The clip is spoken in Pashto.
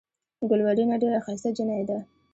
ګلورينه ډېره ښائسته جينۍ ده۔